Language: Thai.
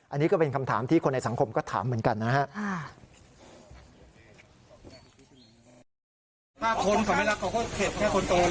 อันนี้ก็เป็นคำถามที่คนในสังคมก็ถามเหมือนกันนะครับ